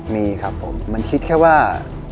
มีครับผมมันคิดแค่ว่า